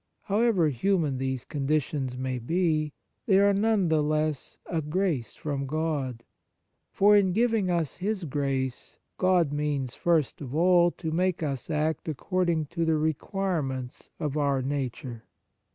However human these conditions may be, they are none the less a grace from God, for, in giving us His grace, God means, first of all, to make us act according to the requirements of our nature.